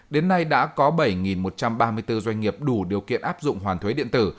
đến nay đã có bảy một trăm ba mươi bốn doanh nghiệp đủ điều kiện áp dụng hoàn thuế điện tử